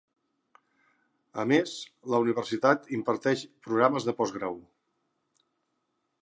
A més, la universitat imparteix programes de postgrau.